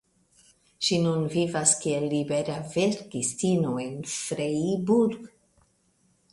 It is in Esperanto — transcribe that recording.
Ŝi nun vivas kiel libera verkistino en Freiburg.